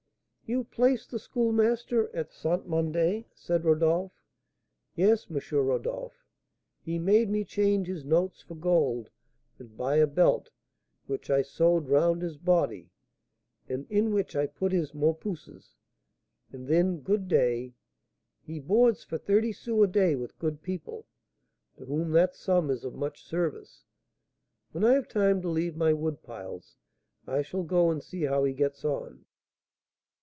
"You placed the Schoolmaster at St. Mandé?" said Rodolph. "Yes, M. Rodolph. He made me change his notes for gold, and buy a belt, which I sewed round his body, and in which I put his 'mopuses;' and then, good day! He boards for thirty sous a day with good people, to whom that sum is of much service. When I have time to leave my wood piles, I shall go and see how he gets on."